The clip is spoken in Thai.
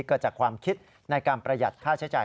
เกิดจากความคิดในการประหยัดค่าใช้จ่าย